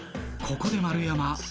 ここで丸山。